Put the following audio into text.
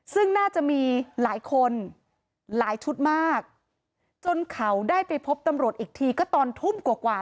ซึ่งน่าจะมีหลายคนหลายชุดมากจนเขาได้ไปพบตำรวจอีกทีก็ตอนทุ่มกว่า